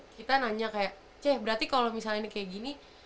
kita nanya kayak ceh berarti kalau misalnya ini kayak gini